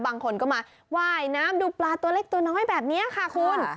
บางคนก็มาว่ายน้ำดูปลาตัวเล็กตัวน้อยแบบนี้ค่ะคุณ